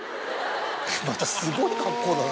またすごい格好だな。